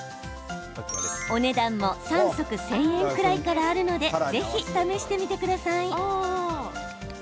お値段も３足１０００円くらいからあるのでぜひ試してみてください。